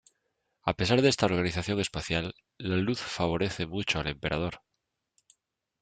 A pesar de esta organización espacial, la luz favorece mucho al emperador.